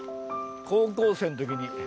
高校生のときに。